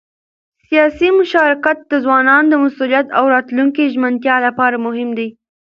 سیاسي مشارکت د ځوانانو د مسؤلیت او راتلونکي د ژمنتیا لپاره مهم دی